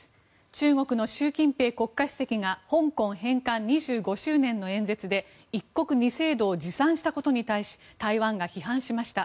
中国の習近平国家主席が香港返還２５周年の演説で一国二制度を自賛したことに対し台湾が批判しました。